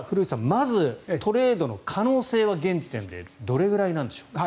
まずトレードの可能性は現時点でどれぐらいなんでしょう。